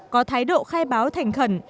có thái độ khai báo thành khẩn